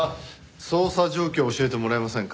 捜査状況を教えてもらえませんか？